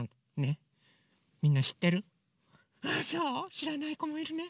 しらないこもいるね！